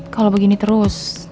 kalo begini terus